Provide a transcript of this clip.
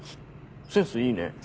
センスいいね。